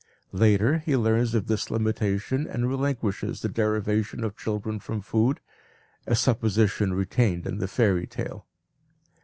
Later he learns of this limitation and relinquishes the derivation of children from food a supposition retained in the fairy tale.